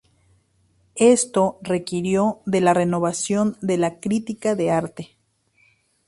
Esto requirió de la renovación de la crítica de arte.